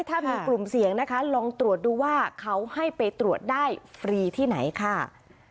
ถ้ามีกลุ่มเสี่ยงนะคะลองตรวจดูว่าเขาให้ไปตรวจได้ฟรีที่ไหนค่ะ